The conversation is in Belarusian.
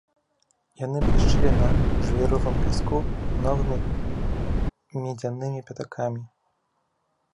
Яны блішчэлі на жвіровым пяску новымі медзянымі пятакамі.